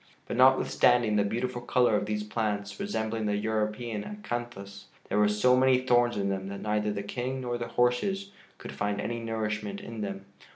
But notwithstanding the beautiful color of these plants, resembling the European acanthus, there were so many thorns in them that neither the King nor the horses could find any nourishment in them.